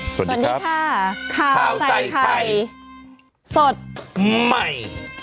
สวัสดีค่ะข้าวใส่ไข่สดใหม่